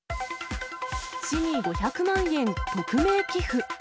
市に５００万円匿名寄付。